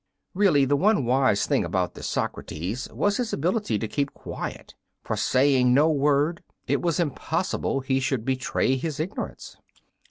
Really, the one wise thing about this Socrates was his ability to keep quiet. For, saying no word, it was impossible he should betray his ignorance.